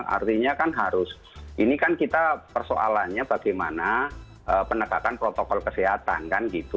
artinya kan harus ini kan kita persoalannya bagaimana penegakan protokol kesehatan kan gitu